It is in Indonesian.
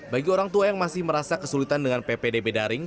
bagi orang tua yang masih merasa kesulitan dengan ppdb daring